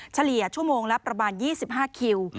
เฉลี่ยชั่วโมงละประมาณ๒๕คิว